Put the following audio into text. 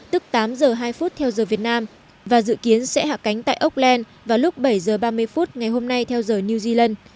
tức tám h hai theo giờ việt nam và dự kiến sẽ hạ cánh tại auckland vào lúc bảy h ba mươi ngày hôm nay theo giờ new zealand